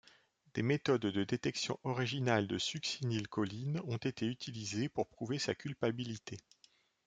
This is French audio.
Des méthodes de détections originales de succinylcholine ont été utilisées pour prouver sa culpabilité.